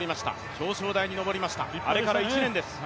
表彰台に上りました、あれから１年です。